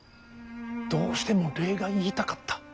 どうしても礼が言いたかった。